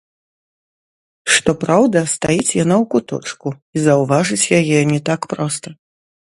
Што праўда, стаіць яна ў куточку, і заўважыць яе не так проста.